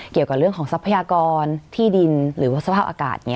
เกี่ยวกับเรื่องของทรัพยากรที่ดินหรือว่าสภาพอากาศ